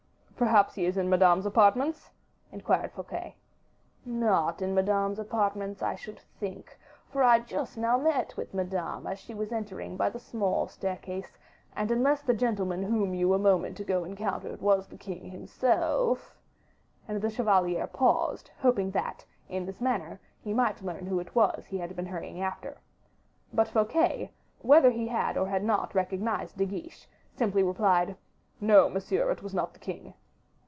"Perhaps he is in Madame's apartments?" inquired Fouquet. "Not in Madame's apartments, I should think, for I just now met Madame as she was entering by the small staircase; and unless the gentleman whom you a moment ago encountered was the king himself " and the chevalier paused, hoping that, in this manner, he might learn who it was he had been hurrying after. But Fouquet, whether he had or had not recognized De Guiche, simply replied, "No, monsieur, it was not the king."